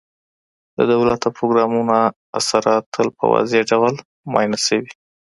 د دولت د پروګرامونو اثرات تل په واضح ډول معاینه سوي.